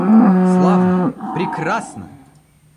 Славно, прекрасно!